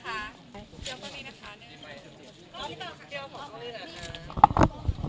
หนูขอไม่เดี๋ยวหน่อยนะคะ